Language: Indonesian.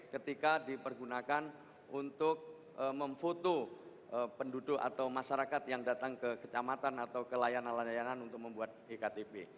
ketika dipergunakan untuk memfoto penduduk atau masyarakat yang datang ke kecamatan atau ke layanan layanan untuk membuat iktp